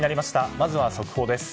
まずは速報です。